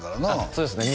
そうですねＭ！